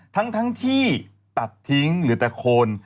ทั้งทั้งที่ตัดทิ้งหรือแต่โคน